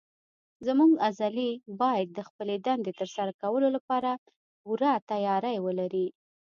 زموږ عضلې باید د خپلې دندې تر سره کولو لپاره پوره تیاری ولري.